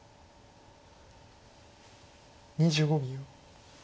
２５秒。